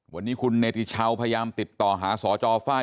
วันนี้คุณเนติชาวพยายามติดต่อหาสจฝ้าย